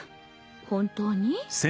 本当に？